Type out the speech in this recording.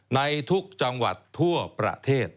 ในทุกจังหวัดทั่วประเทศ